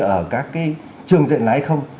ở các cái trường dạy lái không